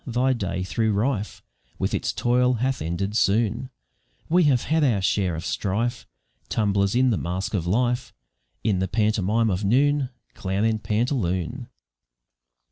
thy day, though rife With its toil, hath ended soon; We have had our share of strife, Tumblers in the mask of life, In the pantomime of noon Clown and pantaloon.